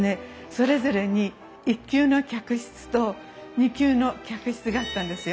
それぞれに１級の客室と２級の客室があったんですよ。